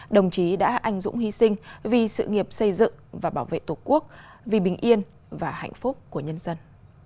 đồng chí đã anh dũng hy sinh vì sự nghiệp xây dựng và bảo vệ tổ quốc vì bình yên và hạnh phúc của nhân dân